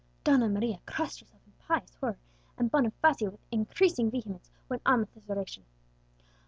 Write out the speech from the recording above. Donna Maria crossed herself in pious horror; and Bonifacio, with increasing vehemence, went on with his oration.